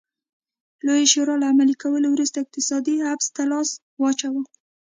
لویې شورا له عملي کولو وروسته اقتصادي حبس ته لاس واچاوه.